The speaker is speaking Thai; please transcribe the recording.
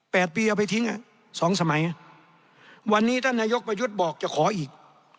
ปีเอาไปทิ้งอ่ะสองสมัยวันนี้ท่านนายกประยุทธ์บอกจะขออีก